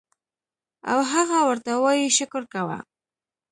او هغه ورته وائي شکر کوه